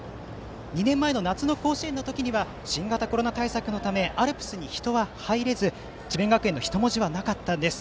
２年前の夏の甲子園の時には新型コロナ対策のためアルプスに人は入れず智弁学園の人文字はなかったんです。